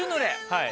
はい。